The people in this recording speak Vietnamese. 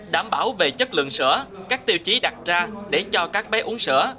đảm bảo về chất lượng sữa các tiêu chí đặt ra để cho các bé uống sữa